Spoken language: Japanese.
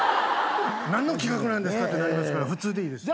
「何の企画なんですか？」ってなりますから普通でいいです。